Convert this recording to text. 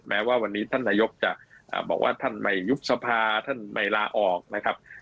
แม้ว่าวันนี้ท่านนายกจะบอกว่าท่านไม่ยุบสภาท่านไม่ลาออกนะครับ